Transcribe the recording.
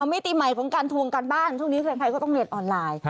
มิติใหม่ของการทวงการบ้านช่วงนี้ใครก็ต้องเรียนออนไลน์